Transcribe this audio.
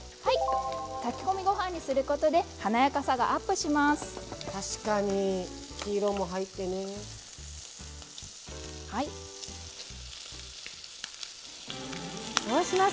炊き込みご飯にすることで華やかさがアップします。